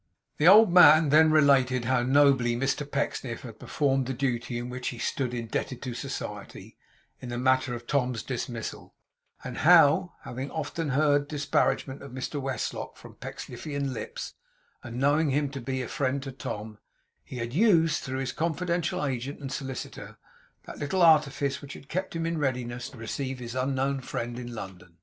The old man then related how nobly Mr Pecksniff had performed the duty in which he stood indebted to society, in the matter of Tom's dismissal; and how, having often heard disparagement of Mr Westlock from Pecksniffian lips, and knowing him to be a friend to Tom, he had used, through his confidential agent and solicitor, that little artifice which had kept him in readiness to receive his unknown friend in London.